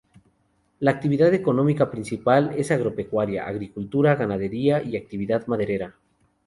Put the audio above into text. La actividad económica principal es agropecuaria: agricultura, ganadería y actividad maderera.